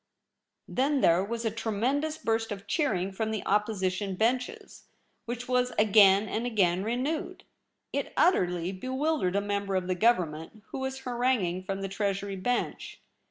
Then there was a tremendous burst of cheerinQf from the opposition benches, which was again and again renewed. It utterly bewildered a mem ber of the Government, who was haranguing IN THE LOBBY. 31 from the Treasury bench.